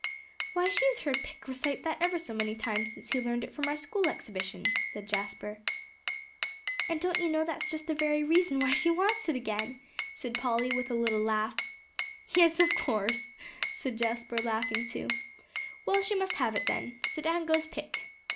"Why, she has heard Pick recite that ever so many times since he learned it for our school exhibition," said Jasper. "And don't you know that's just the very reason why she wants it again?" said Polly, with a little laugh. "Yes, of course," said Jasper, laughing too. "Well, she must have it then. So down goes Pick."